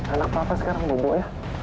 anak bapak sekarang bobo ya